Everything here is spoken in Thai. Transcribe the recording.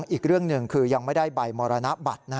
อีกเรื่องหนึ่งคือยังไม่ได้ใบมรณบัตร